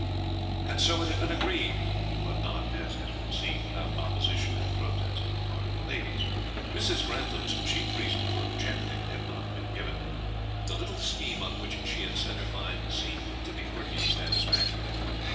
And so it had been agreed, but not, as has been seen, without opposition and protest on the part of the ladies. Mrs. Grantham's chief reason for objecting had not been given. The little scheme on which she had set her mind seemed to be working satisfactorily.